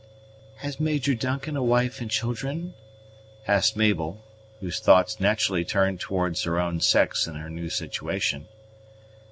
"Has Major Duncan a wife and children?" asked Mabel, whose thoughts naturally turned towards her own sex in her new situation.